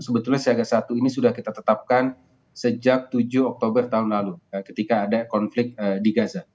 sebetulnya siaga satu ini sudah kita tetapkan sejak tujuh oktober tahun lalu ketika ada konflik di gaza